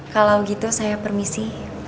kalau gitu saya permisi